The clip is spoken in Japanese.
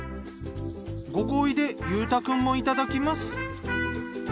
ご厚意で裕太くんもいただきます。